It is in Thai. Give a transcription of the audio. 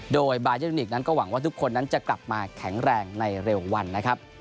โดยบายันนิกนั้นก็หวังว่าทุกคนนั้นจะกลับมาแข็งแรงในเร็ววันนะครับ